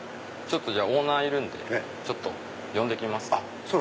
オーナーいるんでちょっと呼んできます。